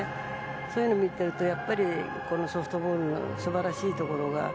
そういうのを見ているとやっぱり、ソフトボールの素晴らしいところが。